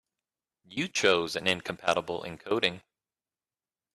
You chose an incompatible encoding.